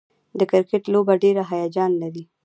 د کرکټ لوبه ډېره هیجان لري.